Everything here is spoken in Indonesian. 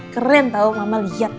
keren tau mama liat